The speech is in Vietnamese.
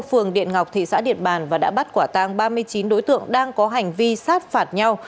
phường điện ngọc thị xã điện bàn và đã bắt quả tang ba mươi chín đối tượng đang có hành vi sát phạt nhau